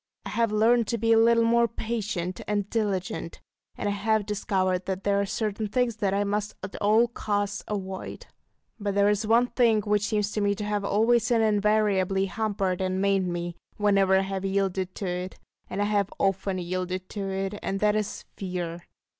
I have learned to be a little more patient and diligent, and I have discovered that there are certain things that I must at all costs avoid. But there is one thing which seems to me to have always and invariably hampered and maimed me, whenever I have yielded to it, and I have often yielded to it; and that is Fear.